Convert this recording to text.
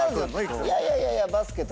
いやいやいや。